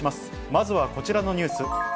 まずはこちらのニュース。